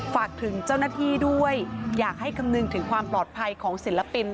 ฝากถึงเจ้าหน้าที่ด้วยอยากให้คำนึงถึงความปลอดภัยของศิลปิน